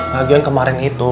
lagian kemarin itu